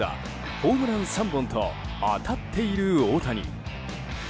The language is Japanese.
ホームラン３本と当たっている大谷。